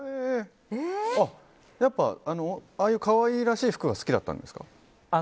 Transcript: やっぱああいう可愛らしい服が好きだったんですか？